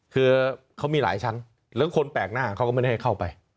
คือเขามีหลายชั้นแล้วคนแปลกหน้าเขาก็ไม่ได้ให้เข้าไป